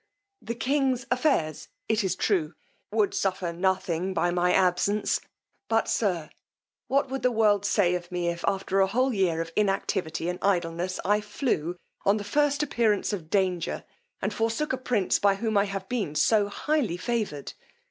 The king's affairs, it is true, would suffer nothing by my absence; but, sir, what would the world say of me, if, after a whole year of inactivity and idleness, I flew, on the first appearance of danger, and forsook a prince, by whom I have been so highly favoured?